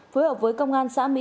phối hợp với công an xã mỹ